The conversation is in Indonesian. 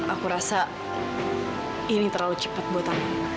aku rasa ini terlalu cepat buat aku